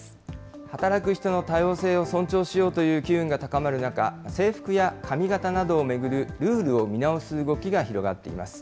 働く人の多様性を尊重しようという機運が高まる中、制服や髪形などを巡るルールを見直す動きが広がっています。